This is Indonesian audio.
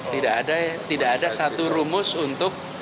tidak ada satu rumus untuk